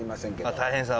大変さを。